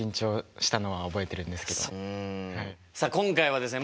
さっ今回はですね